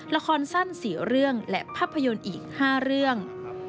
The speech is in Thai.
ละครสั้น๔เรื่องและภาพยนตร์อีก๕เรื่อง